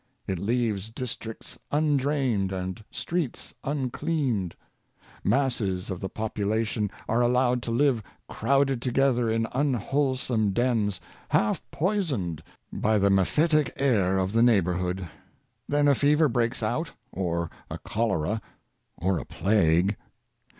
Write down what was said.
It leaves districts undrained and streets uncleaned, Masses of the popu lation are allowed to live crowded together in unwhole some dens, half poisoned by the mephitic air of the neighborhood. Then a fever breaks out, or a cholera, or a plague.